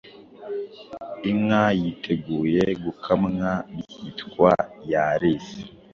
Inka yiteguye gukamwa byitwa Yarese